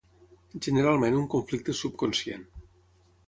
Generalment un conflicte és subconscient.